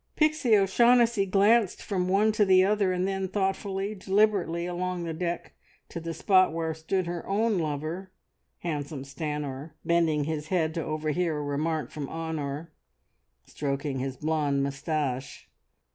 Pixie O'Shaughnessy glanced from one to the other, and then thoughtfully, deliberately along the deck to the spot where stood her own lover, handsome Stanor, bending his head to overhear a remark from Honor, stroking his blonde moustache.